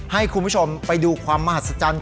ให้คุณผู้ชมไปดูความมหัศจรรย์